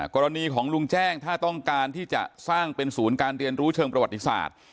กรณีของลุงแจ้งถ้าต้องการที่จะสร้างเป็นศูนย์การเรียนรู้เชิงประวัติศาสตร์